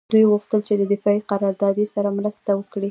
دوی غوښتل چې د دفاعي قراردادي سره مرسته وکړي